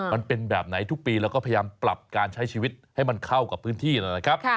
มันเป็นแบบไหนทุกปีแล้วก็พยายามปรับการใช้ชีวิตให้มันเข้ากับพื้นที่นะครับ